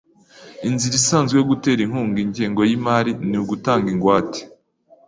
Inzira isanzwe yo gutera inkunga ingengo yimari ni ugutanga ingwate.